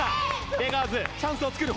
ベガーズチャンスを作る。